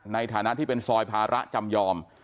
ในฐานะที่เป็นซอยภาระจำยอม